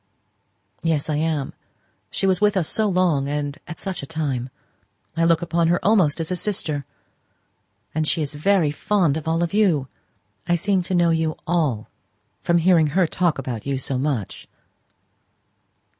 "Yes, I am. She was with us so long; and at such a time! I look upon her almost as a sister." "And she is very fond of all of you. I seem to know you all from hearing her talk about you so much.